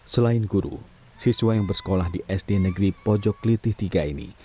selain guru siswa yang bersekolah di sd negeri pojok litih tiga ini